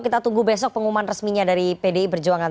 kita tunggu besok pengumuman resminya dari pdi perjuangan